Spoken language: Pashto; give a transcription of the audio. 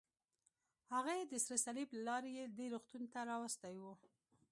هغه یې د سره صلیب له لارې دې روغتون ته راوستی و.